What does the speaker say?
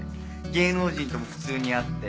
芸能人とも普通に会って。